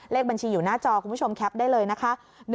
เลขบัญชีอยู่หน้าจอคุณผู้ชมแคปได้เลยนะคะ